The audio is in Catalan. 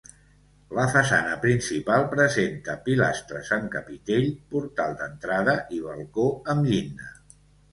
La façana principal presenta pilastres amb capitell, portal d'entrada i balcó amb llinda.